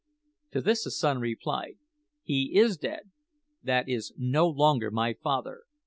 "To this the son replied, `He is dead. That is no longer my father.